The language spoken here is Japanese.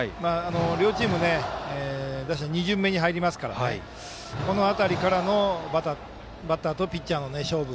両チーム打者２巡目に入りますからこの辺りからのバッターとピッチャーの勝負